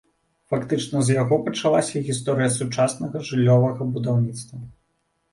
Фактычна з яго пачалася гісторыя сучаснага жыллёвага будаўніцтва.